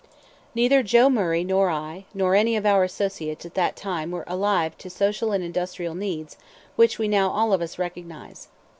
Neither Joe Murray nor I nor any of our associates at that time were alive to social and industrial needs which we now all of us recognize.